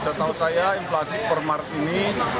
setahu saya inflasi per mart ini delapan belas